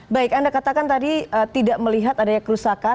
baik anda katakan tadi tidak melihat ada yang kerusakan